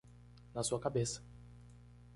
Na sua cabeça!